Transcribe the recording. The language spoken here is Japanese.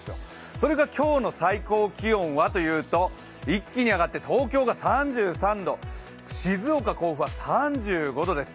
それが今日の最高気温はというと一気に上がって東京が３３度、静岡、甲府が３５度です。